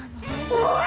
「おい」。